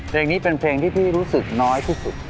เพลงนี้เป็นเพลงที่พี่รู้สึกน้อยที่สุด